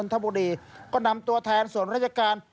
ทบุรีก็นำตัวแทนส่วนราชการ